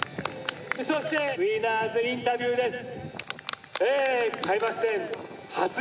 そしてウィナーズインタビューです。